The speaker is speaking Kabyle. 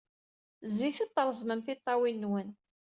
Zzit-d, treẓmem tiṭṭawin-nwen.